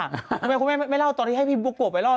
ทำไมคุณแม่งบัวไม่เล่าตอนที่ให้พี่บัวไปเล่า